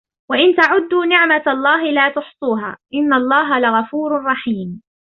وَإِنْ تَعُدُّوا نِعْمَةَ اللَّهِ لَا تُحْصُوهَا إِنَّ اللَّهَ لَغَفُورٌ رَحِيمٌ